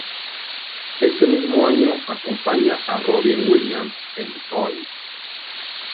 Ese mismo año acompaña a Robin Williams en "Toys".